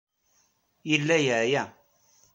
Yella yeɛya.